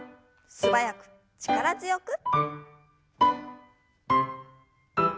素早く力強く。